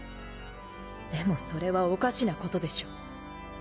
でもそれはおかしなことでしょ？